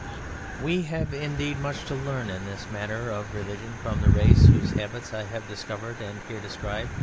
We have, indeed, much to learn in this matter of religion from the race whose habits I have discovered and here describe.